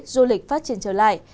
du lịch phát triển trở lại